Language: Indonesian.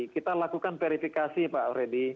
kita lakukan verifikasi pak freddy